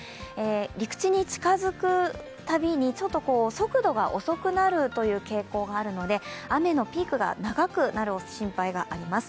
陸地に近づくたびに、ちょっと速度が遅くなるという傾向があるので、雨のピークが長くなる心配があります。